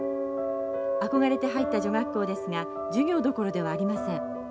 憧れて入った女学校ですが授業どころではありません。